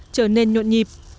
trở nên nhuộn nhịp